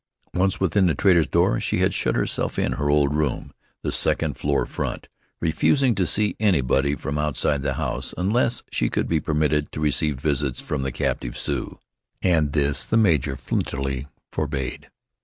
Once within the trader's door, she had shut herself in her old room, the second floor front, refusing to see anybody from outside the house, unless she could be permitted to receive visits from the captive Sioux, and this the major, flintily, forebade.